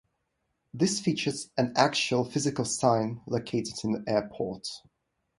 This features an actual, physical sign located in the airport.